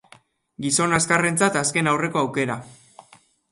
Gizon azkarrentzat azken aurreko aukera.